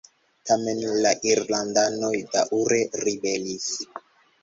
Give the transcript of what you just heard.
Tamen la irlandanoj daŭre ribelis.